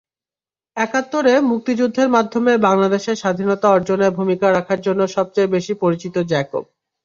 একাত্তরে মুক্তিযুদ্ধের মাধ্যমে বাংলাদেশের স্বাধীনতা অর্জনে ভূমিকা রাখার জন্য সবচেয়ে বেশি পরিচিত জ্যাকব।